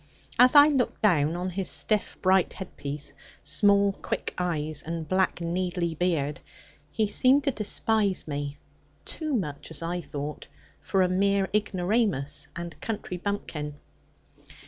As I looked down on his stiff bright head piece, small quick eyes and black needly beard, he seemed to despise me (too much, as I thought) for a mere ignoramus and country bumpkin.